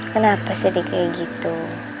kenapa sedih kayak gitu